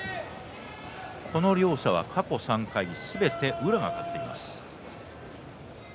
この両者は過去３回すべて宇良が勝っています。